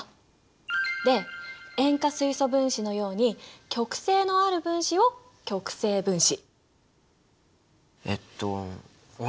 で塩化水素分子のように極性のある分子を極性分子。